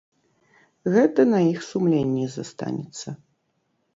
Гэта на іх сумленні застанецца.